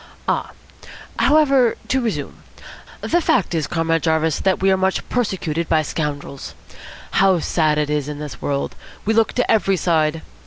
"Ah! However, to resume. The fact is, Comrade Jarvis, we are much persecuted by scoundrels. How sad it is in this world! We look to every side.